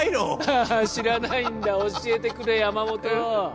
ああ知らないんだ教えてくれ山本